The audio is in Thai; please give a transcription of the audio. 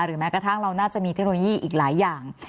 แม้กระทั่งเราน่าจะมีเทคโนโลยีอีกหลายอย่าง